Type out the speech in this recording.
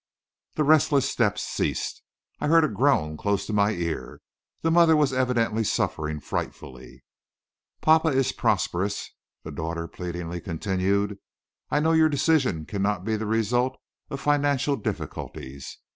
The restless steps ceased. I heard a groan close to my ear; the mother was evidently suffering frightfully. "Papa is prosperous," the daughter pleadingly continued. "I know your decision cannot be the result of financial difficulties.